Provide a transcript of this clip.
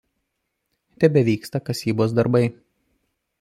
Tebevyksta kasybos darbai.